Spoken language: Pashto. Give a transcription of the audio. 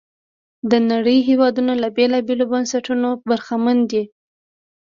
د نړۍ هېوادونه له بېلابېلو بنسټونو برخمن دي.